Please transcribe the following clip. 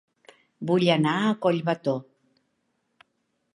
Vull anar a Collbató